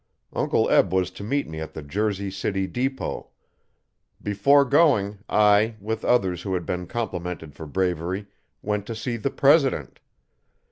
Uncle Eb was to meet me at the jersey City depot. Before going I, with others who had been complimented for bravery, went to see the president.